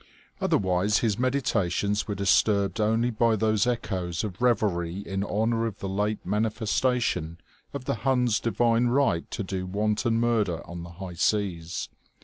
Otherwise his meditations were disturbed only by those echoes of revelry in honour of the late manifestation of the Hun's divine right to do wanton murder on the high seas.